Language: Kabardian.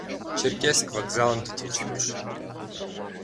Черкесск вокзалым дытекӏынущ.